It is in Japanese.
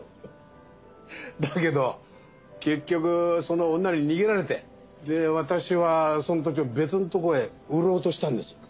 だけど結局その女に逃げられてで私はその土地を別のとこへ売ろうとしたんです。